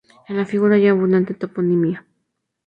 En el figura ya abundante toponimia.